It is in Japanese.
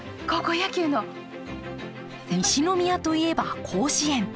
西宮といえば甲子園。